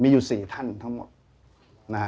มีอยู่สี่ท่านทั้งหมด